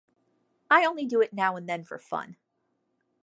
I only do it now and then for fun.